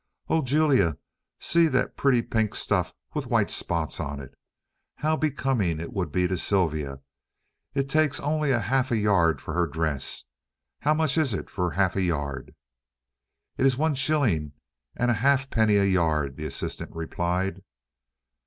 "Oh, Julia, see that pretty pink stuff with white spots on it! How becoming that would be to Sylvia! It takes only half a yard for her dress. How much is it for half a yard?" "It is one shilling and a halfpenny a yard," the assistant replied.